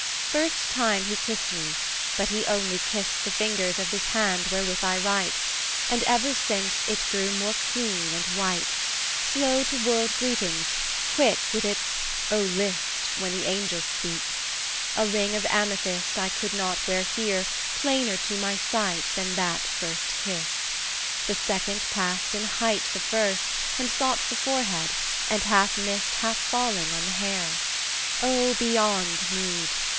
"First time he kissed me he but only kissed The fingers of this hand wherewith I write, And ever since, it grew more clean and white, Slow to world greetings, quick with its 'Oh, list,' When the angels speak. A ring of amethyst I could not wear here, plainer to my sight, Than that first kiss. The second passed in height The first, and sought the forehead, and half missed Half falling on the hair. O beyond meed!